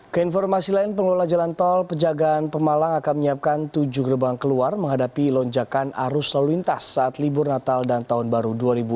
keinformasi lain pengelola jalan tol pejagaan pemalang akan menyiapkan tujuh gerbang keluar menghadapi lonjakan arus lalu lintas saat libur natal dan tahun baru dua ribu dua puluh